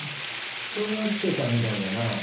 人が来てたみたいだな。